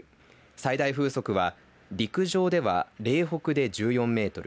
最大風速は、陸上では嶺北で１４メートル